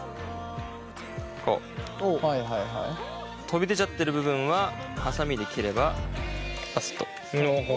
飛び出ちゃってる部分はハサミで切ればパスッと。